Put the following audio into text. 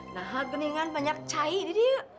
nah geningan banyak cahaya